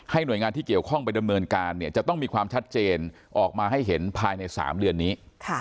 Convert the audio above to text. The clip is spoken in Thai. หน่วยงานที่เกี่ยวข้องไปดำเนินการเนี่ยจะต้องมีความชัดเจนออกมาให้เห็นภายใน๓เดือนนี้